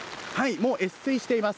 もう越水しています。